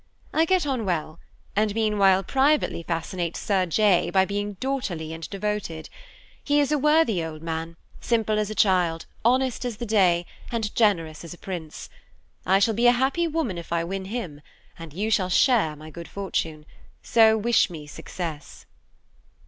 I get on well and meanwhile privately fascinate Sir J. by being daughterly and devoted. He is a worthy old man, simple as a child, honest as the day, and generous as a prince. I shall be a happy woman if I win him, and you shall share my good fortune; so wish me success.